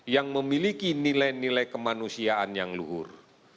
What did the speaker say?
yang memiliki nilai nilai kemanusiaan yang luhur